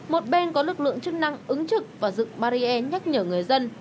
một bên có lực lượng chức năng ứng trực và dựng barrier nhắc nhở người dân